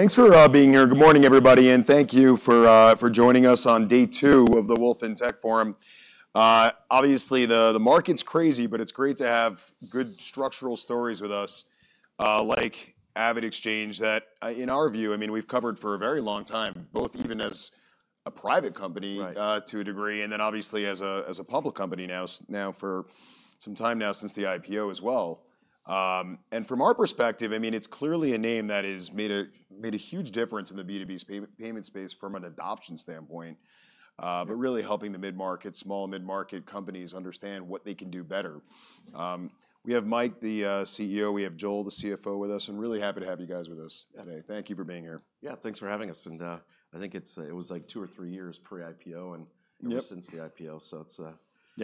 Thanks for being here. Good morning, everybody. Thank you for joining us on Day 2 of the Wolfe Tech Forum. Obviously, the market's crazy, but it's great to have good structural stories with us, like AvidXchange, that in our view, I mean, we've covered for a very long time, both even as a private company to a degree, and then obviously as a public company now for some time now since the IPO as well. From our perspective, I mean, it's clearly a name that has made a huge difference in the B2B payment space from an adoption standpoint, but really helping the mid-market, small mid-market companies understand what they can do better. We have Mike, the CEO. We have Joel, the CFO, with us. I'm really happy to have you guys with us today. Thank you for being here. Yeah, thanks for having us. I think it was like two or three years pre-IPO and ever since the IPO.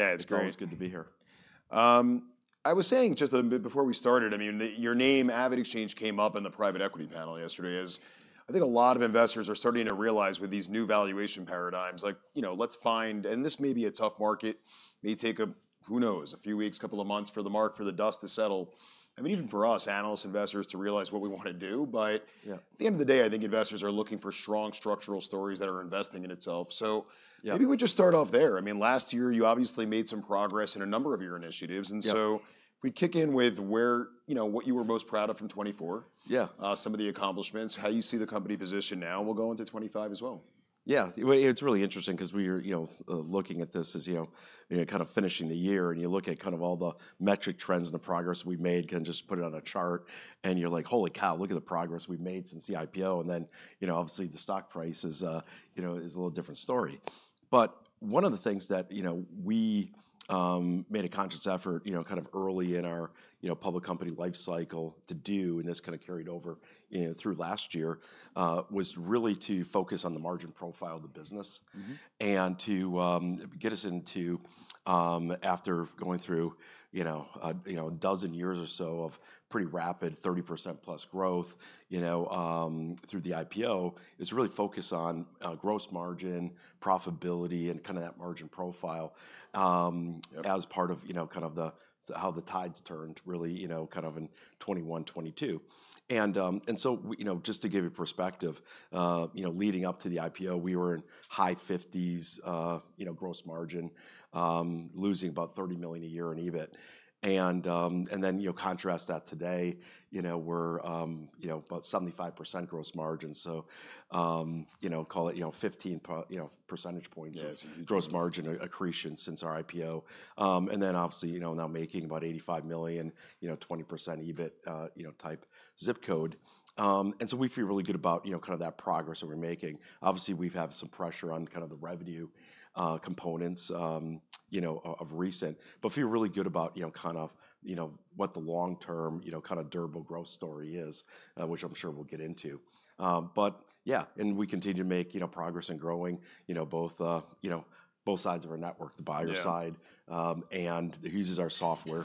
It's always good to be here. Yeah, it's great. I was saying just a bit before we started, I mean, your name, AvidXchange, came up in the private equity panel yesterday. I think a lot of investors are starting to realize with these new valuation paradigms, like, you know, let's find, and this may be a tough market, may take, who knows, a few weeks, a couple of months for the mark, for the dust to settle. I mean, even for us, analysts, investors, to realize what we want to do. At the end of the day, I think investors are looking for strong structural stories that are investing in itself. Maybe we just start off there. I mean, last year, you obviously made some progress in a number of your initiatives. If we kick in with what you were most proud of from 2024, some of the accomplishments, how you see the company positioned now, and we'll go into 2025 as well. Yeah, it's really interesting because we were looking at this as kind of finishing the year, and you look at kind of all the metric trends and the progress we've made, can just put it on a chart, and you're like, holy cow, look at the progress we've made since the IPO. Obviously the stock price is a little different story. One of the things that we made a conscious effort kind of early in our public company lifecycle to do, and this kind of carried over through last year, was really to focus on the margin profile of the business and to get us into, after going through a dozen years or so of pretty rapid 30% plus growth through the IPO, is really focus on gross margin, profitability, and kind of that margin profile as part of kind of how the tides turned really kind of in 2021, 2022. Just to give you perspective, leading up to the IPO, we were in high-50% gross margin, losing about $30 million a year in EBIT. Contrast that today, we're about 75% gross margin. Call it 15 percentage points gross margin accretion since our IPO. Obviously now making about $85 million, 20% EBIT type zip code. We feel really good about kind of that progress that we're making. Obviously, we've had some pressure on kind of the revenue components of recent, but feel really good about kind of what the long-term kind of durable growth story is, which I'm sure we'll get into. Yeah, we continue to make progress and growing both sides of our network, the buyer side, and who uses our software.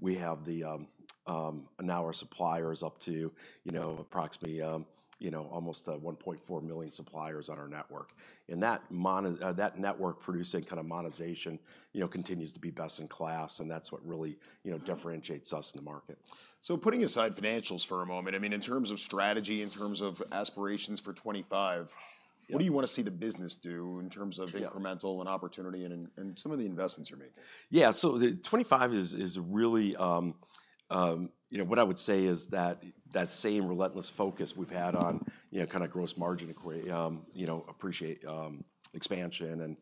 We have now our suppliers up to approximately almost 1.4 million suppliers on our network. That network producing kind of monetization continues to be best-in-class, and that's what really differentiates us in the market. Putting aside financials for a moment, I mean, in terms of strategy, in terms of aspirations for 2025, what do you want to see the business do in terms of incremental and opportunity and some of the investments you're making? Yeah, '25 is really what I would say is that same relentless focus we've had on kind of gross margin appreciation, expansion, and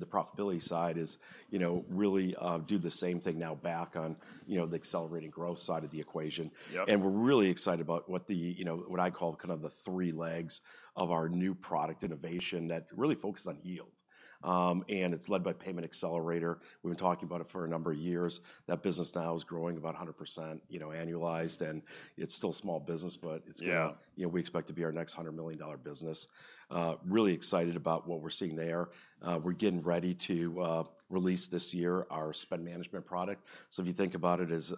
the profitability side is really do the same thing now back on the accelerating growth side of the equation. We're really excited about what I call kind of the three legs of our new product innovation that really focuses on yield. It's led by Payment Accelerator. We've been talking about it for a number of years. That business now is growing about 100% annualized, and it's still a small business, but we expect it to be our next $100 million business. Really excited about what we're seeing there. We're getting ready to release this year our spend management product. If you think about it as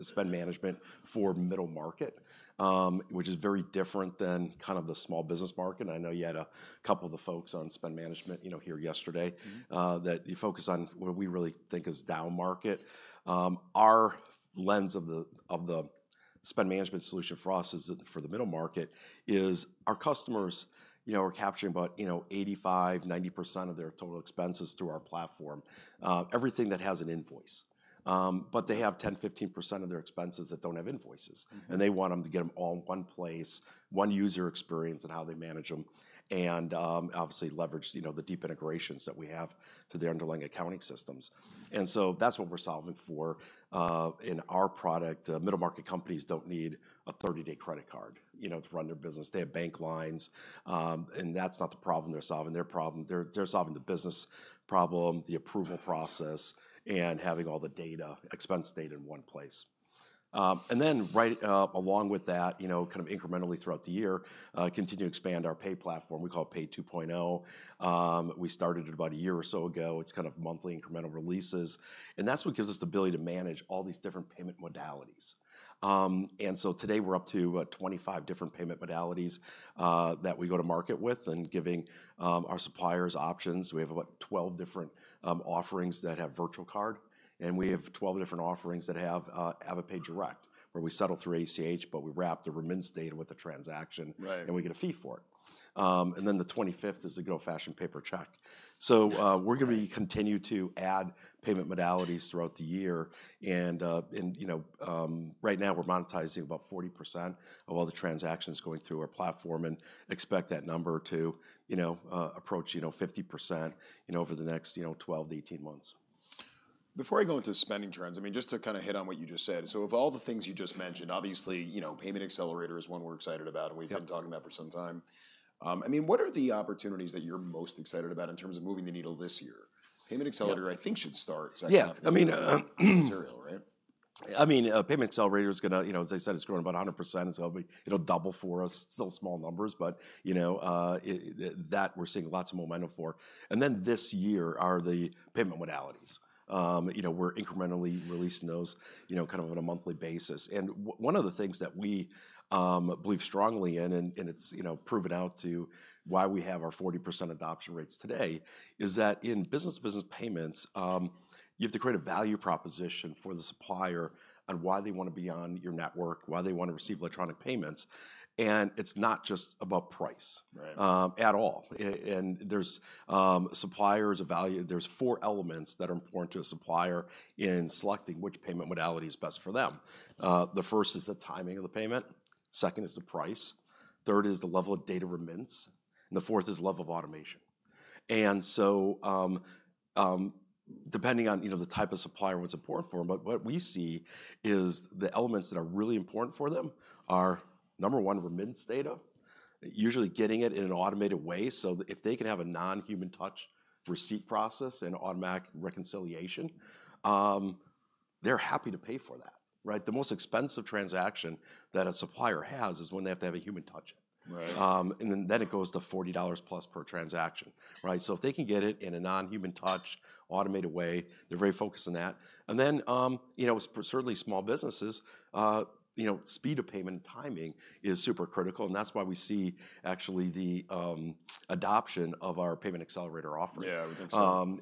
spend management for middle market, which is very different than kind of the small business market. I know you had a couple of the folks on spend management here yesterday that you focus on what we really think is down market. Our lens of the spend management solution for us for the middle market is our customers are capturing about 85%-90% of their total expenses through our platform, everything that has an invoice. They have 10%-15% of their expenses that do not have invoices, and they want to get them all in one place, one user experience in how they manage them, and obviously leverage the deep integrations that we have through the underlying accounting systems. That is what we are solving for in our product. Middle-market companies do not need a 30-day credit card to run their business. They have bank lines, and that is not the problem they are solving. They're solving the business problem, the approval process, and having all the data, expense data in one place. Along with that, kind of incrementally throughout the year, continue to expand our pay platform. We call it Pay 2.0. We started about a year or so ago. It's kind of monthly incremental releases. That's what gives us the ability to manage all these different payment modalities. Today we're up to about 25 different payment modalities that we go to market with and giving our suppliers options. We have about 12 different offerings that have virtual card, and we have 12 different offerings that have AvidPay Direct, where we settle through ACH, but we wrap the remittance data with the transaction and we get a fee for it. The 25th is the good old-fashioned paper check. We're going to continue to add payment modalities throughout the year. Right now we're monetizing about 40% of all the transactions going through our platform and expect that number to approach 50% over the next 12-18 months. Before I go into spending trends, I mean, just to kind of hit on what you just said, so of all the things you just mentioned, obviously Payment Accelerator is one we're excited about and we've been talking about for some time. I mean, what are the opportunities that you're most excited about in terms of moving the needle this year? Payment Accelerator, I think, should start second half of the year. Yeah, I mean. Material, right? I mean, Payment Accelerator is going to, as I said, it's growing about 100%. It'll double for us. It's still small numbers, but that we're seeing lots of momentum for. This year are the payment modalities. We're incrementally releasing those kind of on a monthly basis. One of the things that we believe strongly in, and it's proven out to why we have our 40% adoption rates today, is that in business-to-business payments, you have to create a value proposition for the supplier on why they want to be on your network, why they want to receive electronic payments. It's not just about price at all. There's suppliers, there's four elements that are important to a supplier in selecting which payment modality is best for them. The first is the timing of the payment. Second is the price. Third is the level of data remittance. The fourth is level of automation. Depending on the type of supplier, what's important for them, but what we see is the elements that are really important for them are, number one, remittance data, usually getting it in an automated way. If they can have a non-human-touch receipt process and automatic reconciliation, they're happy to pay for that. The most expensive transaction that a supplier has is when they have to have a human touch it. It goes to $40-plus per transaction. If they can get it in a non-human touch automated way, they're very focused on that. Certainly small businesses, speed of payment and timing is super critical. That's why we see actually the adoption of our Payment Accelerator offering. Yeah, I think so.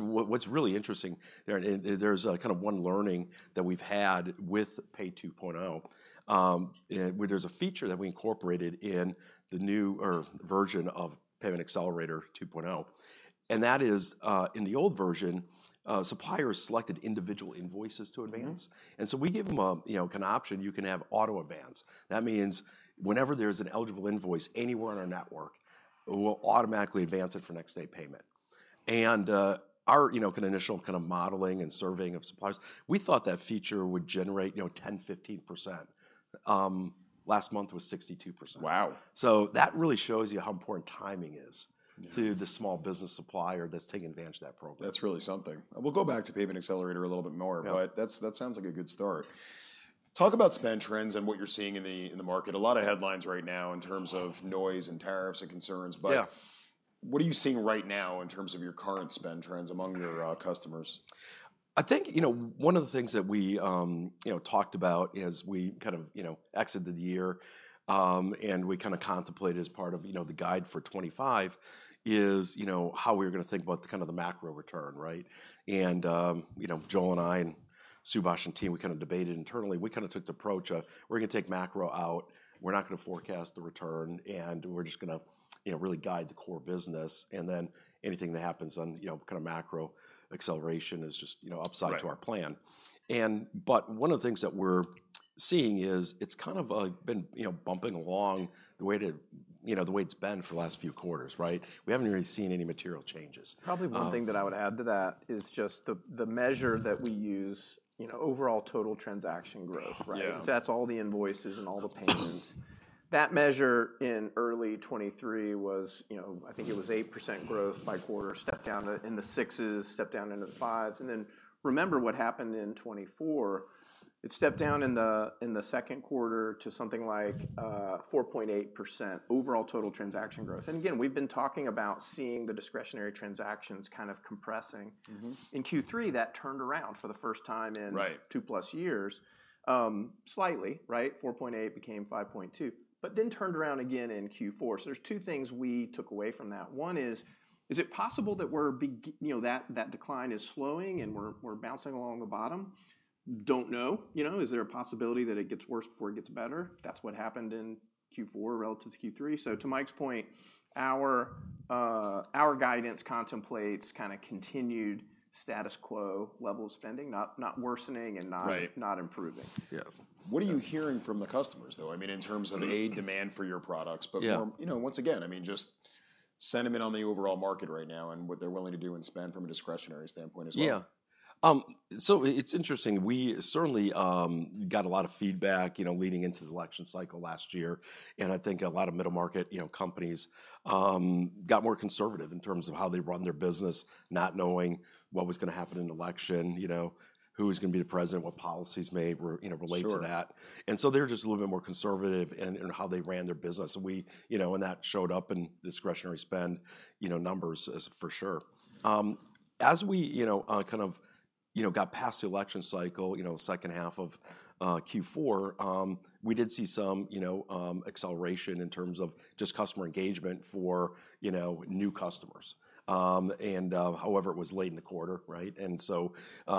What's really interesting, there's kind of one learning that we've had with Pay 2.0, where there's a feature that we incorporated in the new version of Payment Accelerator 2.0. That is, in the old version, suppliers selected individual invoices to advance. We give them an option, you can have auto advance. That means whenever there's an eligible invoice anywhere on our network, we'll automatically advance it for next-day payment. Our initial kind of modeling and surveying of suppliers, we thought that feature would generate 10%-15%. Last month was 62%. Wow. That really shows you how important timing is to the small business supplier that's taking advantage of that program. That's really something. We'll go back to Payment Accelerator a little bit more, but that sounds like a good start. Talk about spend trends and what you're seeing in the market. A lot of headlines right now in terms of noise and tariffs and concerns. What are you seeing right now in terms of your current spend trends among your customers? I think one of the things that we talked about as we kind of exited the year and we kind of contemplated as part of the guide for 2025 is how we're going to think about kind of the macro return. Joel and I and Subhaash and team, we kind of debated internally. We kind of took the approach, we're going to take macro out, we're not going to forecast the return, and we're just going to really guide the core business. Anything that happens on kind of macro acceleration is just upside to our plan. One of the things that we're seeing is it's kind of been bumping along the way it's been for the last few quarters. We haven't really seen any material changes. Probably one thing that I would add to that is just the measure that we use overall total transaction growth. That's all the invoices and all the payments. That measure in early 2023 was, I think it was 8% growth by quarter, stepped down in the sixes, stepped down into the fives. Remember what happened in 2024, it stepped down in the second quarter to something like 4.8% overall total transaction growth. Again, we've been talking about seeing the discretionary transactions kind of compressing. In Q3, that turned around for the first time in two plus years, slightly, 4.8% became 5.2%, but then turned around again in Q4. There are two things we took away from that. One is, is it possible that that decline is slowing and we're bouncing along the bottom? Don't know. Is there a possibility that it gets worse before it gets better? That's what happened in Q4 relative to Q3. To Mike's point, our guidance contemplates kind of continued status quo level of spending, not worsening and not improving. Yeah. What are you hearing from the customers though? I mean, in terms of demand for your products, but once again, I mean, just sentiment on the overall market right now and what they're willing to do and spend from a discretionary standpoint as well. Yeah. It's interesting. We certainly got a lot of feedback leading into the election cycle last year. I think a lot of middle market companies got more conservative in terms of how they run their business, not knowing what was going to happen in the election, who was going to be the president, what policies may relate to that. They were just a little bit more conservative in how they ran their business. That showed up in discretionary spend numbers for sure. As we kind of got past the election cycle, the second half of Q4, we did see some acceleration in terms of just customer engagement for new customers. However, it was late in the quarter.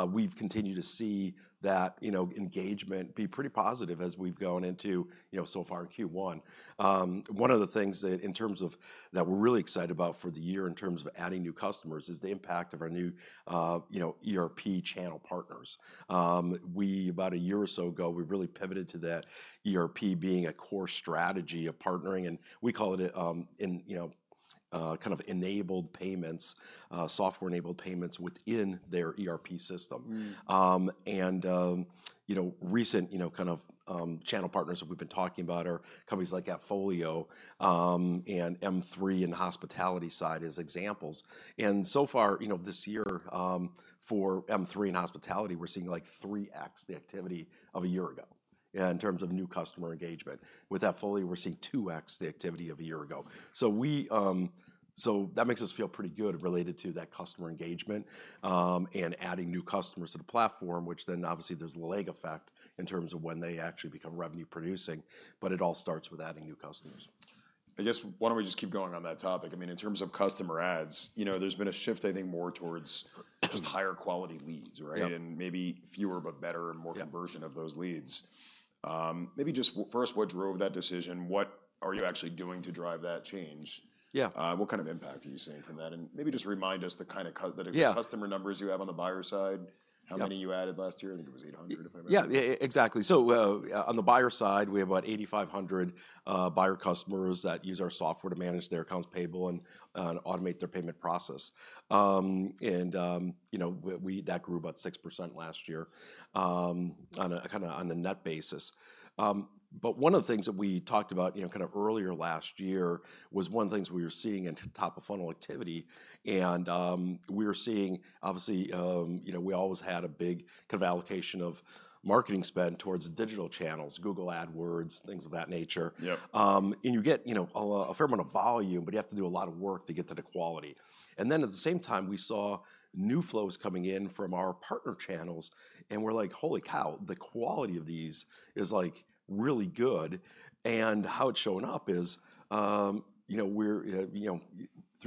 We've continued to see that engagement be pretty positive as we've gone into so far in Q1. One of the things that we're really excited about for the year in terms of adding new customers is the impact of our new ERP channel partners. About a year or so ago, we really pivoted to that ERP being a core strategy of partnering. We call it kind of enabled payments, software-enabled payments within their ERP system. Recent kind of channel partners that we've been talking about are companies like AppFolio and M3 in the hospitality side as examples. So far this year for M3 in hospitality, we're seeing like 3X the activity of a year ago in terms of new customer engagement. With AppFolio, we're seeing 2X the activity of a year ago. That makes us feel pretty good related to that customer engagement and adding new customers to the platform, which then obviously there's a lag effect in terms of when they actually become revenue producing, but it all starts with adding new customers. I guess why don't we just keep going on that topic? I mean, in terms of customer ads, there's been a shift, I think, more towards just higher quality leads, and maybe fewer, but better and more conversion of those leads. Maybe just first, what drove that decision? What are you actually doing to drive that change? What kind of impact are you seeing from that? Maybe just remind us the kind of customer numbers you have on the buyer side, how many you added last year, I think it was 800 if I remember. Yeah, exactly. On the buyer side, we have about 8,500 buyer customers that use our software to manage their Accounts Payable and automate their payment process. That grew about 6% last year kind of on a net basis. One of the things that we talked about kind of earlier last year was one of the things we were seeing in top-of-funnel activity. We were seeing, obviously, we always had a big kind of allocation of marketing spend towards digital channels, Google AdWords, things of that nature. You get a fair amount of volume, but you have to do a lot of work to get to the quality. At the same time, we saw new flows coming in from our partner channels. We're like, holy cow, the quality of these is like really good. How it's showing up is through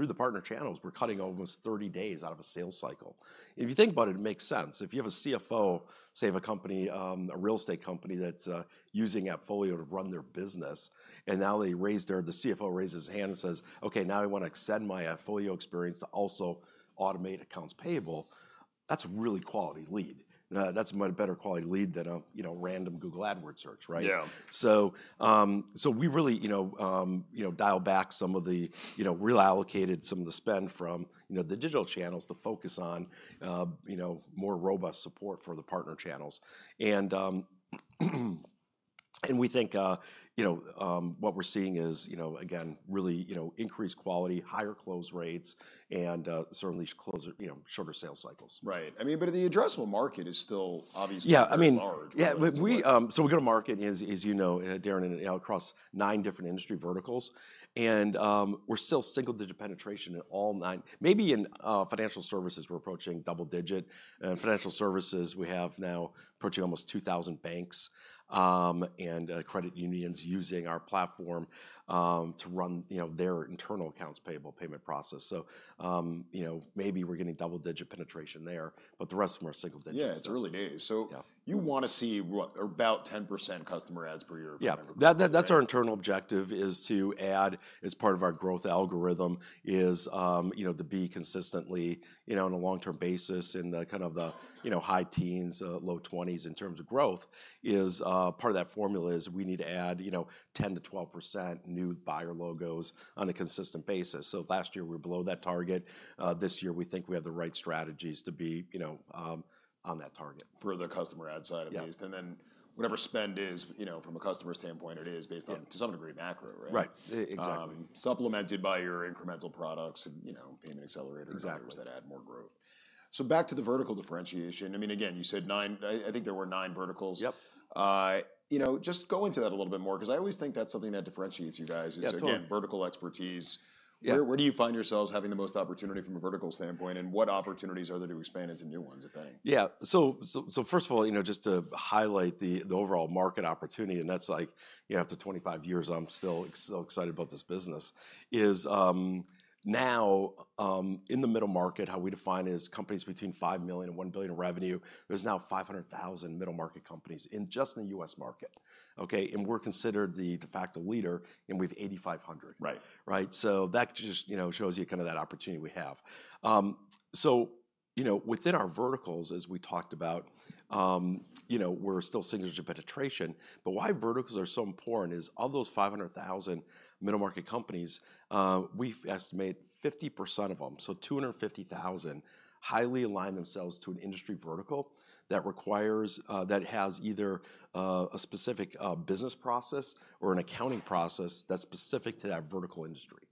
the partner channels, we're cutting almost 30 days out of a sales cycle. If you think about it, it makes sense. If you have a CFO, say of a company, a real estate company that's using AppFolio to run their business, and now the CFO raises his hand and says, okay, now I want to extend my AppFolio experience to also automate accounts payable, that's a really quality lead. That's a better quality lead than a random Google AdWords search. We really dialed back some of the reallocated some of the spend from the digital channels to focus on more robust support for the partner channels. We think what we're seeing is, again, really increased quality, higher close rates, and certainly shorter sales cycles. Right. I mean, but the addressable market is still obviously large. Yeah. We go to market, as you know, Darrin and I, across nine different industry verticals. We're still single-digit penetration in all nine. Maybe in financial services, we're approaching double digit. In financial services, we have now approaching almost 2,000 banks and credit unions using our platform to run their internal accounts payable payment process. Maybe we're getting double-digit penetration there, but the rest of them are single digits. Yeah, it's early days. You want to see about 10% customer ads per year for everybody. Yeah. That's our internal objective is to add as part of our growth algorithm is to be consistently on a long-term basis in kind of the high teens, low 20s in terms of growth. As part of that formula is we need to add 10%-12% new buyer logos on a consistent basis. Last year we were below that target. This year we think we have the right strategies to be on that target. For the customer ad side at least. Whatever spend is from a customer standpoint, it is based on to some degree macro, right? Right, exactly. Supplemented by your incremental products and Payment Accelerator and others that add more growth. Back to the vertical differentiation. I mean, again, you said nine, I think there were nine verticals. Just go into that a little bit more because I always think that's something that differentiates you guys is again, vertical expertise. Where do you find yourselves having the most opportunity from a vertical standpoint and what opportunities are there to expand into new ones, if any? Yeah. First of all, just to highlight the overall market opportunity, and that's like after 25 years, I'm still excited about this business, is now in the middle market, how we define it is companies between $5 million and $1 billion revenue, there's now 500,000 middle-market companies in just the U.S. market. We're considered the de facto leader and we have 8,500. That just shows you kind of that opportunity we have. Within our verticals, as we talked about, we're still single-digit penetration. Why verticals are so important is of those 500,000 middle market companies, we've estimated 50% of them, so 250,000, highly align themselves to an industry vertical that requires, that has either a specific business process or an accounting process that's specific to that vertical industry.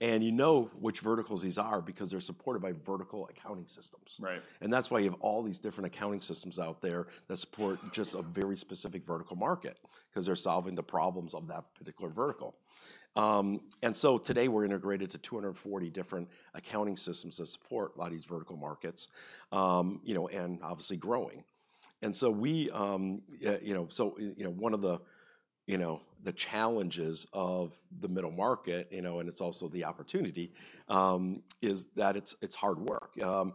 You know which verticals these are because they're supported by vertical accounting systems. That is why you have all these different accounting systems out there that support just a very specific vertical market because they are solving the problems of that particular vertical. Today we are integrated to 240 different accounting systems that support a lot of these vertical markets and obviously growing. One of the challenges of the middle market, and it is also the opportunity, is that it is hard work. I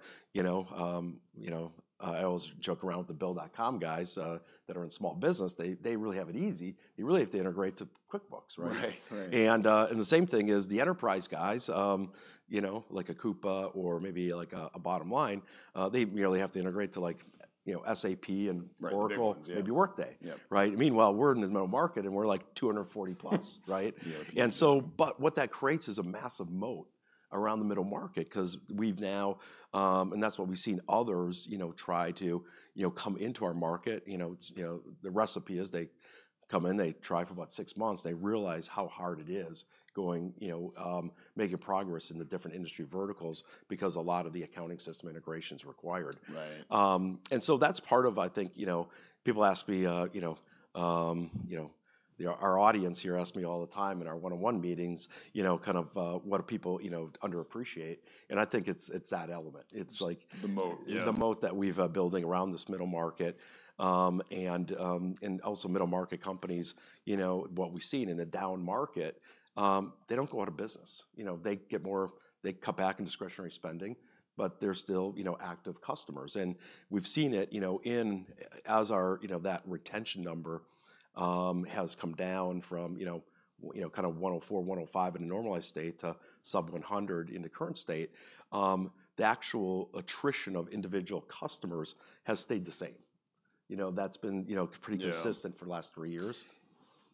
always joke around with the Bill.com guys that are in small business, they really have it easy. They really have to integrate to QuickBooks. The same thing is the enterprise guys, like a Coupa or maybe like a Bottomline, they merely have to integrate to SAP and Oracle, maybe Workday. Meanwhile, we are in the middle market and we are like 240-plus. What that creates is a massive moat around the middle market because we've now, and that's what we've seen others try to come into our market. The recipe is they come in, they try for about six months, they realize how hard it is making progress in the different industry verticals because a lot of the accounting system integration is required. That's part of, I think people ask me, our audience here asks me all the time in our one-on-one meetings, kind of what do people underappreciate. I think it's that element. It's like the moat that we've been building around this middle-market. Also, middle market companies, what we've seen in a down market, they don't go out of business. They cut back on discretionary spending, but they're still active customers. We have seen it as that retention number has come down from kind of 104, 105 in a normalized state to sub 100 in the current state, the actual attrition of individual customers has stayed the same. That has been pretty consistent for the last three years.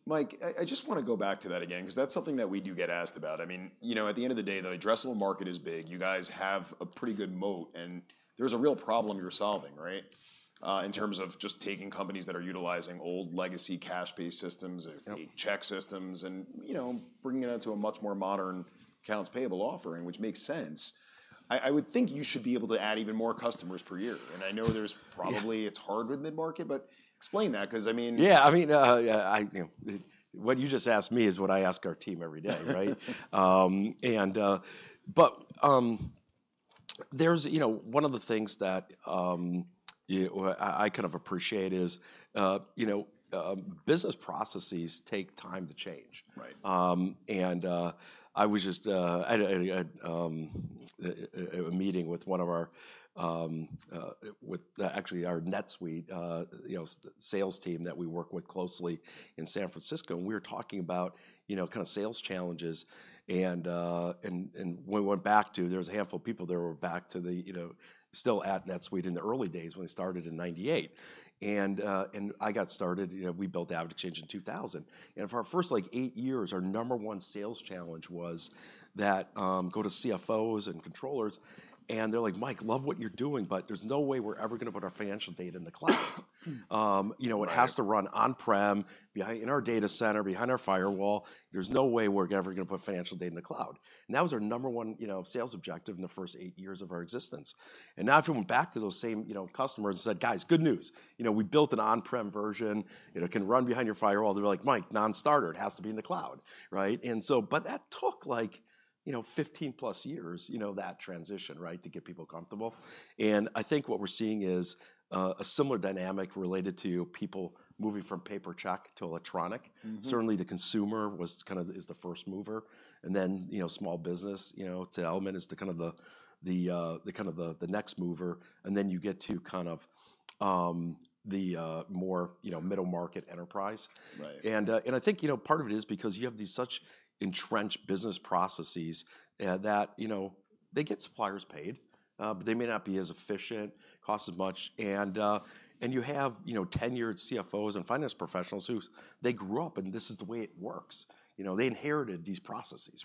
Mike, I just want to go back to that again because that's something that we do get asked about. I mean, at the end of the day, the addressable market is big. You guys have a pretty good moat. There's a real problem you're solving in terms of just taking companies that are utilizing old legacy cash-based systems, check systems, and bringing it into a much more modern Accounts Payable offering, which makes sense. I would think you should be able to add even more customers per year. I know there's probably it's hard with mid-market, but explain that because I mean. Yeah. I mean, what you just asked me is what I ask our team every day. One of the things that I kind of appreciate is business processes take time to change. I was just at a meeting with one of our actually our NetSuite sales team that we work with closely in San Francisco. We were talking about kind of sales challenges. When we went back to there was a handful of people there who were back to the still at NetSuite in the early days when they started in 1998. I got started, we built the AvidXchange in 2000. For our first like eight years, our number one sales challenge was that go to CFOs and controllers. They're like, Mike, love what you're doing, but there's no way we're ever going to put our financial data in the cloud. It has to run on-prem in our data center, behind our firewall. There's no way we're ever going to put financial data in the cloud. That was our number one sales objective in the first eight years of our existence. Now if you went back to those same customers and said, guys, good news, we built an on-prem version, it can run behind your firewall. They're like, Mike, non-starter, it has to be in the cloud. That took like 15-plus years, that transition, to get people comfortable. I think what we're seeing is a similar dynamic related to people moving from paper check to electronic. Certainly, the consumer was kind of is the first mover. Then small business to element is kind of the kind of the next mover. Then you get to kind of the more middle market enterprise. I think part of it is because you have these such entrenched business processes that they get suppliers paid, but they may not be as efficient, cost as much. You have tenured CFOs and finance professionals who they grew up and this is the way it works. They inherited these processes.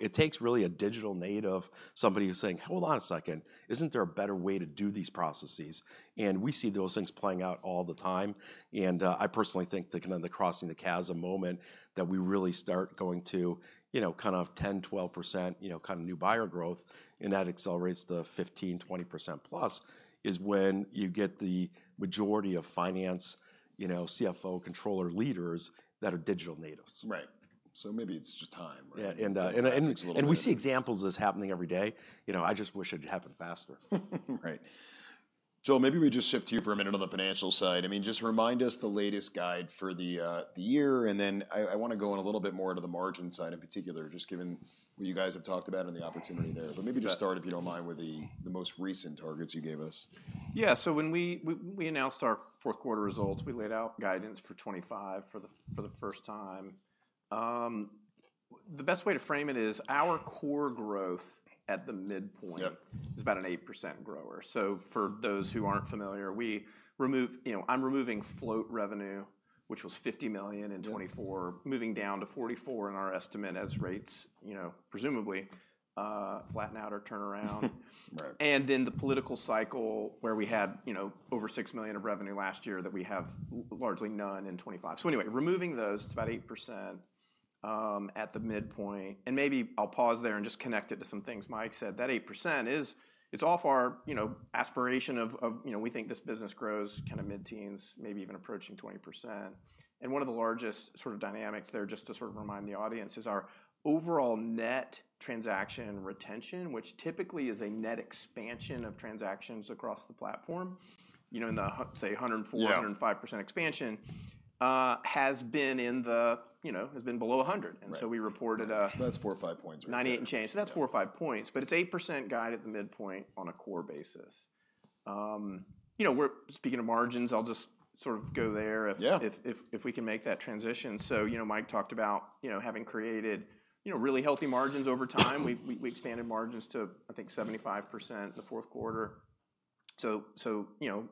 It takes really a digital native, somebody who's saying, hold on a second, isn't there a better way to do these processes? We see those things playing out all the time. I personally think the "Crossing the Chasm" moment that we really start going to kind of 10%-12% kind of new buyer growth and that accelerates to 15%-20% plus is when you get the majority of finance CFO controller leaders that are digital natives. Right. Maybe it's just time. Yeah. We see examples of this happening every day. I just wish it happened faster. Right. Joel, maybe we just shift to you for a minute on the financial side. I mean, just remind us the latest guide for the year. I want to go in a little bit more to the margin side in particular, just given what you guys have talked about and the opportunity there. Maybe just start, if you don't mind, with the most recent targets you gave us. Yeah. When we announced our fourth quarter results, we laid out guidance for 2025 for the first time. The best way to frame it is our core growth at the midpoint is about an 8% grower. For those who aren't familiar, I'm removing float revenue, which was $50 million in 2024, moving down to $44 million in our estimate as rates presumably flatten out or turn around. The political cycle where we had over $6 million of revenue last year that we have largely none in 2025. Anyway, removing those, it's about 8% at the midpoint. Maybe I'll pause there and just connect it to some things Mike said. That 8% is off our aspiration of we think this business grows kind of mid-teens, maybe even approaching 20%. One of the largest sort of dynamics there, just to sort of remind the audience, is our overall net transaction retention, which typically is a net expansion of transactions across the platform, say, 104%-105% expansion, has been in the has been below 100. And so we reported. That's four or five points. 98% and change. That is four or five points, but it is 8% guide at the midpoint on a core basis. Speaking of margins, I will just sort of go there if we can make that transition. Mike talked about having created really healthy margins over time. We expanded margins to, I think, 75% in the fourth quarter.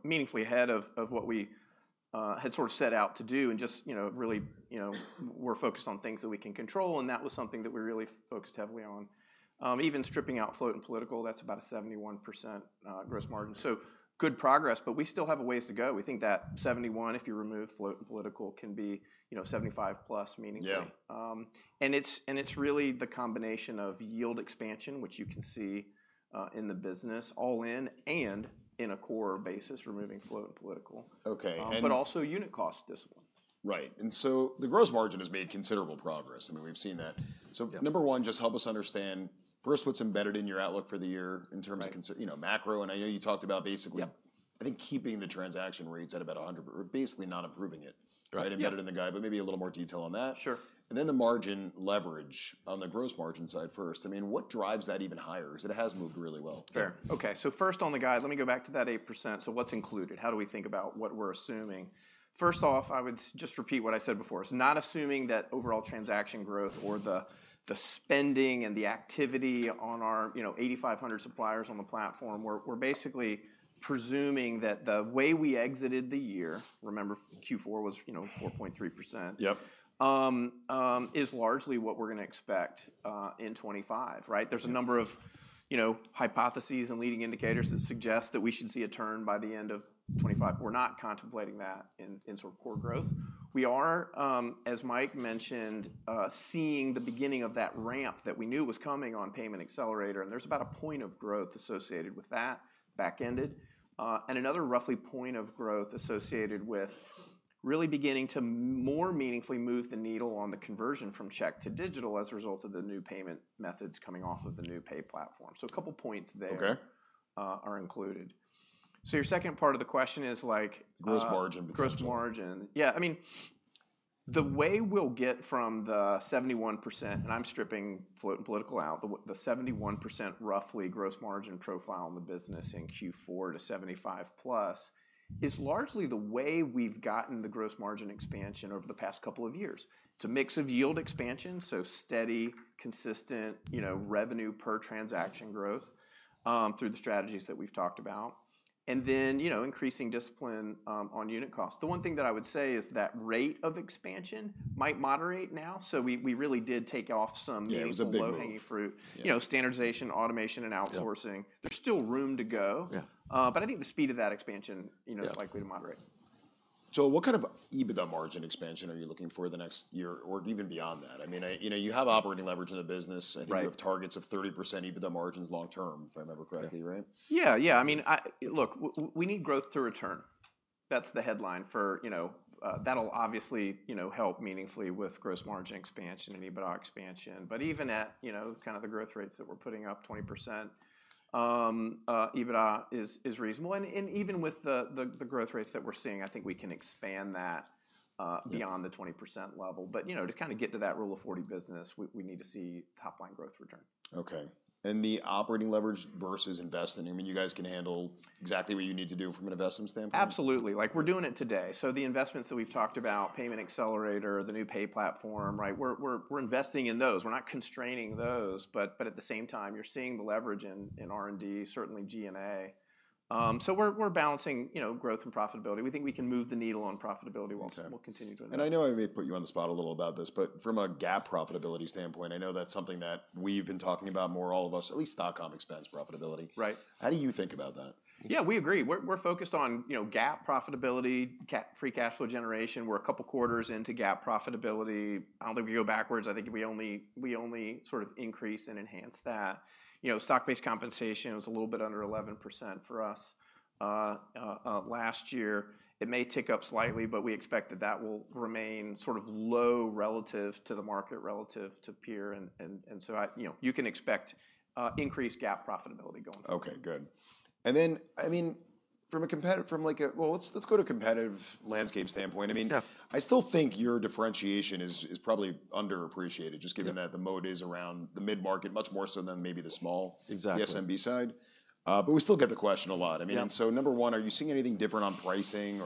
Meaningfully ahead of what we had sort of set out to do and just really were focused on things that we can control. That was something that we really focused heavily on. Even stripping out float and political, that is about a 71% gross margin. Good progress, but we still have a ways to go. We think that 71%, if you remove float and political, can be 75%-plus meaningfully. It is really the combination of yield expansion, which you can see in the business all in and in a core basis, removing float and political, but also unit cost discipline. Right. The gross margin has made considerable progress. I mean, we've seen that. Number one, just help us understand first what's embedded in your outlook for the year in terms of macro. I know you talked about basically, I think, keeping the transaction rates at about 100, but we're basically not improving it. Embedded in the guide, but maybe a little more detail on that. Then the margin leverage on the gross margin side first. I mean, what drives that even higher? Because it has moved really well. Fair. Okay. First on the guide, let me go back to that 8%. What's included? How do we think about what we're assuming? First off, I would just repeat what I said before. It's not assuming that overall transaction growth or the spending and the activity on our 8,500 suppliers on the platform. We're basically presuming that the way we exited the year, remember Q4 was 4.3%, is largely what we're going to expect in 2025. There's a number of hypotheses and leading indicators that suggest that we should see a turn by the end of 2025. We're not contemplating that in sort of core growth. We are, as Mike mentioned, seeing the beginning of that ramp that we knew was coming on Payment Accelerator. There's about a point of growth associated with that back-ended. is another roughly point of growth associated with really beginning to more meaningfully move the needle on the conversion from check to digital as a result of the new payment methods coming off of the new pay platform. A couple of points there are included. Your second part of the question is like. Gross margin potential. Gross margin. Yeah. I mean, the way we'll get from the 71%, and I'm stripping float and political out, the 71% roughly gross margin profile in the business in Q4 to 75%-plus is largely the way we've gotten the gross margin expansion over the past couple of years. It's a mix of yield expansion, so steady, consistent revenue per transaction growth through the strategies that we've talked about. And then increasing discipline on unit cost. The one thing that I would say is that rate of expansion might moderate now. We really did take off some low-hanging fruit, standardization, automation, and outsourcing. There's still room to go. I think the speed of that expansion is likely to moderate. Joel, what kind of EBITDA margin expansion are you looking for the next year or even beyond that? I mean, you have operating leverage in the business. I think you have targets of 30% EBITDA margins long term, if I remember correctly, right? Yeah. Yeah. I mean, look, we need growth to return. That's the headline for that'll obviously help meaningfully with gross margin expansion and EBITDA expansion. Even at kind of the growth rates that we're putting up, 20% EBITDA is reasonable. Even with the growth rates that we're seeing, I think we can expand that beyond the 20% level. To kind of get to that Rule of 40 business, we need to see top-line growth return. Okay. The operating leverage versus investing, I mean, you guys can handle exactly what you need to do from an investment standpoint? Absolutely. We're doing it today. The investments that we've talked about, Payment Accelerator, the new pay platform, we're investing in those. We're not constraining those. At the same time, you're seeing the leverage in R&D, certainly G&A. We're balancing growth and profitability. We think we can move the needle on profitability while we'll continue to invest. I know I may put you on the spot a little about this, but from a GAAP profitability standpoint, I know that's something that we've been talking about more, all of us, at least dot-com expense profitability. How do you think about that? Yeah, we agree. We're focused on GAAP profitability, free cash flow generation. We're a couple of quarters into GAAP profitability. I don't think we go backwards. I think we only sort of increase and enhance that. Stock-based compensation was a little bit under 11% for us last year. It may tick up slightly, but we expect that that will remain sort of low relative to the market, relative to peer. You can expect increased GAAP profitability going forward. Okay. Good. From a competitive, well, let's go to a competitive landscape standpoint. I still think your differentiation is probably underappreciated, just given that the moat is around the mid-market, much more so than maybe the small SMB side. We still get the question a lot. Number one, are you seeing anything different on pricing?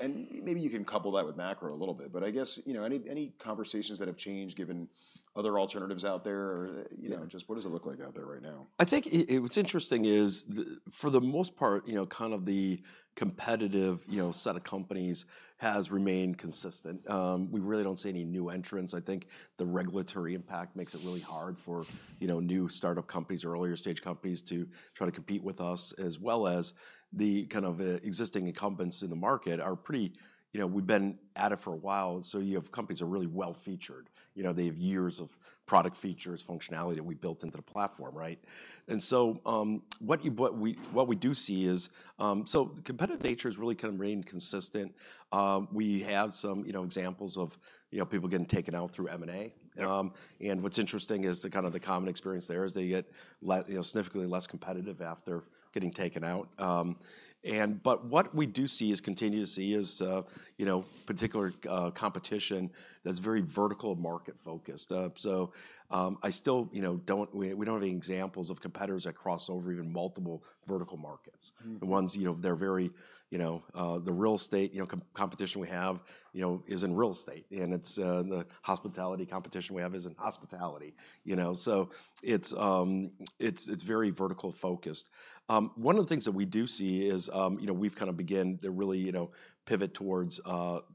Maybe you can couple that with macro a little bit. I guess any conversations that have changed given other alternatives out there? Just what does it look like out there right now? I think what's interesting is for the most part, kind of the competitive set of companies has remained consistent. We really don't see any new entrants. I think the regulatory impact makes it really hard for new startup companies, earlier stage companies to try to compete with us, as well as the kind of existing incumbents in the market are pretty—we've been at it for a while. You have companies that are really well-featured. They have years of product features, functionality that we built into the platform. What we do see is the competitive nature has really kind of remained consistent. We have some examples of people getting taken out through M&A. What's interesting is the common experience there is they get significantly less competitive after getting taken out. What we do see is continue to see is particular competition that's very vertical-market focused. I still don't we don't have any examples of competitors that cross over even multiple vertical markets. The ones they're very the real estate competition we have is in real estate. And the hospitality competition we have is in hospitality. It's very vertical focused. One of the things that we do see is we've kind of begun to really pivot towards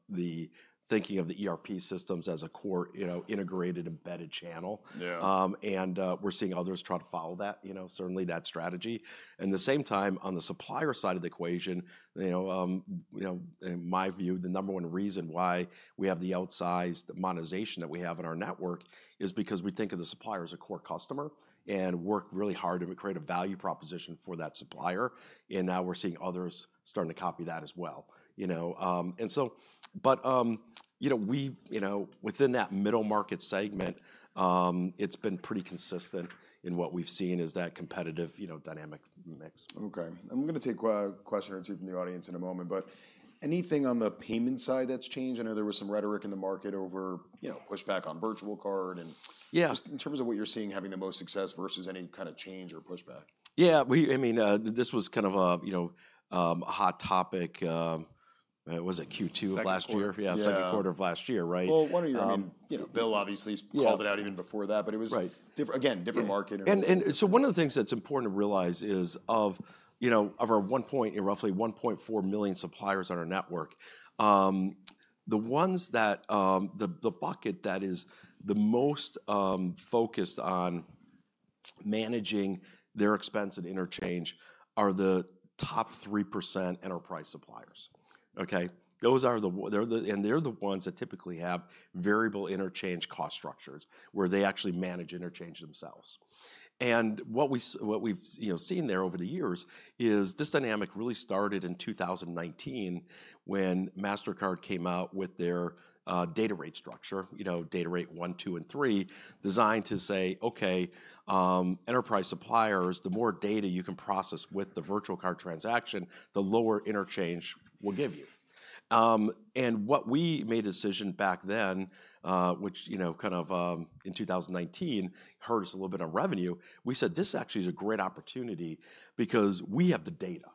the thinking of the ERP systems as a core integrated embedded channel. We're seeing others try to follow that, certainly that strategy. At the same time, on the supplier side of the equation, in my view, the number one reason why we have the outsized monetization that we have in our network is because we think of the supplier as a core customer and work really hard to create a value proposition for that supplier. Now we're seeing others starting to copy that as well. Within that middle-market segment, it's been pretty consistent in what we've seen is that competitive dynamic mix. Okay. I'm going to take a question or two from the audience in a moment. Anything on the payment side that's changed? I know there was some rhetoric in the market over pushback on virtual card and just in terms of what you're seeing having the most success versus any kind of change or pushback? Yeah. I mean, this was kind of a hot topic. Was it Q2 of last year? Second quarter. Yeah, second quarter of last year, right? One of your, I mean, Bill obviously called it out even before that, but it was, again, different market. One of the things that's important to realize is of our roughly 1.4 million suppliers on our network, the ones that the bucket that is the most focused on managing their expense and interchange are the top 3% enterprise suppliers. Okay? They're the ones that typically have variable interchange cost structures where they actually manage interchange themselves. What we've seen there over the years is this dynamic really started in 2019 when Mastercard came out with their Data Rate Structure, Data Rate 1, 2, and 3 designed to say, "Okay, enterprise suppliers, the more data you can process with the virtual card transaction, the lower interchange we'll give you." What we made a decision back then, which kind of in 2019 hurt us a little bit on revenue, we said, "This actually is a great opportunity because we have the data."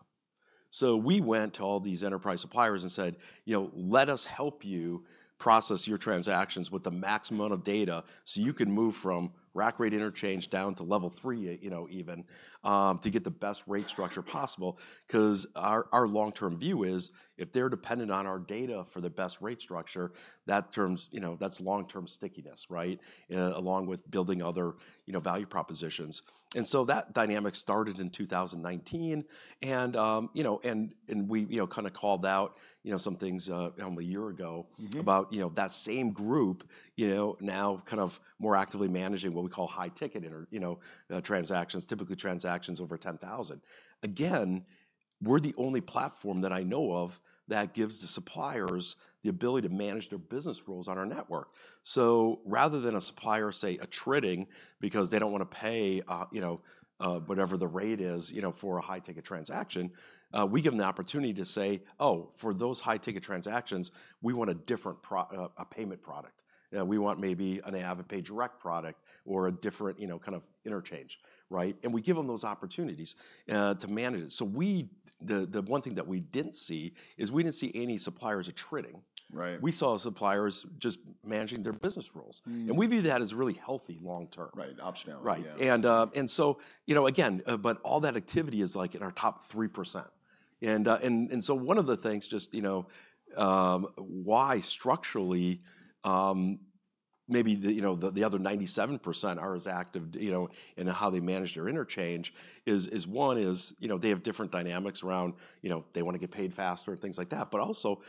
We went to all these enterprise suppliers and said, "Let us help you process your transactions with the maximum amount of data so you can move from rack-rate interchange down to Level 3 even to get the best rate structure possible." Our long-term view is if they're dependent on our data for the best rate structure, that's long-term stickiness, right, along with building other value propositions. That dynamic started in 2019. We kind of called out some things a year ago about that same group now kind of more actively managing what we call high-ticket transactions, typically transactions over $10,000. Again, we're the only platform that I know of that gives the suppliers the ability to manage their business rules on our network. Rather than a supplier, say, trading because they don't want to pay whatever the rate is for a high-ticket transaction, we give them the opportunity to say, "Oh, for those high-ticket transactions, we want a different payment product. We want maybe an AvidPay Direct product or a different kind of interchange." We give them those opportunities to manage it. The one thing that we didn't see is we didn't see any suppliers trading. We saw suppliers just managing their business rules. We view that as really healthy long term. Right. Optionality. Yeah. All that activity is like in our top 3%. One of the things just why structurally maybe the other 97% are as active in how they manage their interchange is one is they have different dynamics around they want to get paid faster and things like that. Also,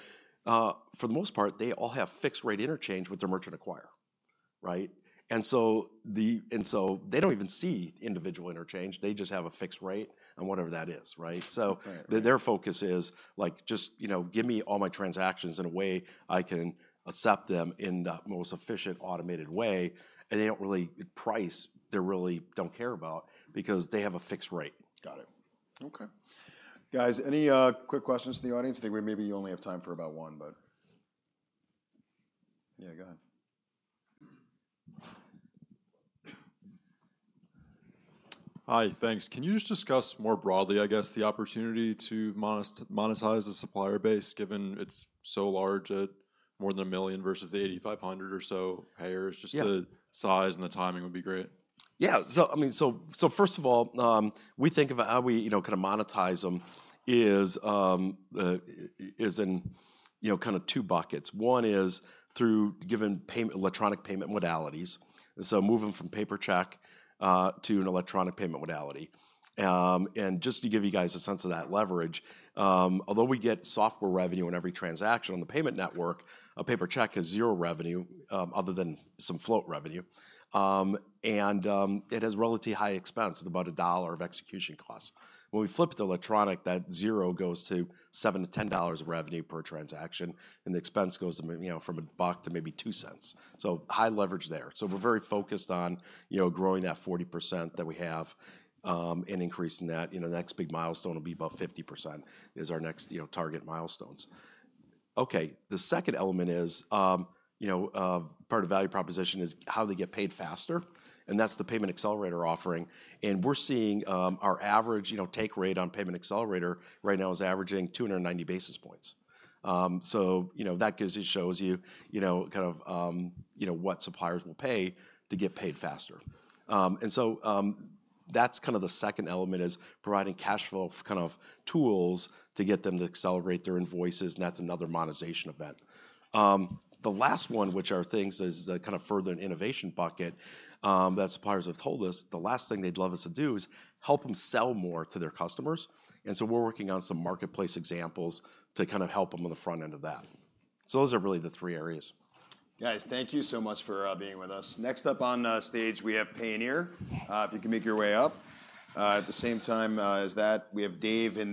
for the most part, they all have fixed rate interchange with their merchant acquirer. They do not even see individual interchange. They just have a fixed rate and whatever that is. Their focus is just give me all my transactions in a way I can accept them in the most efficient automated way. They do not really price, they really do not care about because they have a fixed rate. Got it. Okay. Guys, any quick questions from the audience? I think maybe you only have time for about one, but yeah, go ahead. Hi, thanks. Can you just discuss more broadly, I guess, the opportunity to monetize the supplier base given it's so large at more than a million versus the 8,500 or so payers? Just the size and the timing would be great. Yeah. I mean, first of all, we think of how we kind of monetize them is in kind of two buckets. One is through given electronic payment modalities. Moving from paper check to an electronic payment modality. Just to give you guys a sense of that leverage, although we get software revenue on every transaction on the payment network, a paper check has zero revenue other than some float revenue. It has relatively high expense at about $1 of execution cost. When we flip to electronic, that zero goes to $7-$10 of revenue per transaction. The expense goes from a buck to maybe $0.02. High leverage there. We are very focused on growing that 40% that we have and increasing that. The next big milestone will be about 50% is our next target milestones. Okay. The second element as part of value proposition is how they get paid faster. That is the payment accelerator offering. We are seeing our average take rate on payment accelerator right now is averaging 290 basis points. That shows you kind of what suppliers will pay to get paid faster. That is kind of the second element, providing cash flow kind of tools to get them to accelerate their invoices. That is another monetization event. The last one, which our thinks is kind of further an innovation bucket that suppliers have told us, the last thing they would love us to do is help them sell more to their customers. We are working on some marketplace examples to kind of help them on the front end of that. Those are really the three areas. Guys, thank you so much for being with us. Next up on stage, we have Payoneer, if you can make your way up. At the same time as that, we have Dave Inc.